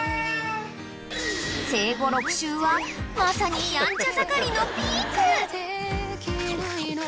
［生後６週はまさにやんちゃ盛りのピーク］